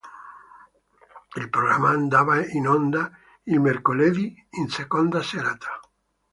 Il programma andava in onda il mercoledì in seconda serata.